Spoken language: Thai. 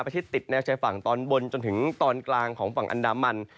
ประชิปติดฝั่งตอนบนจนถึงตอนกลางของฝั่งอันดามมัน